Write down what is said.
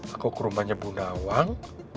aku ke rumahnya bundawang